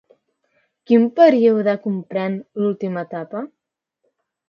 Quin període comprèn l'última etapa?